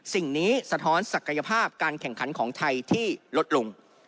สิ่งนี้สะท้อนศักยภาพการแข่งขันของไทยที่ลดลง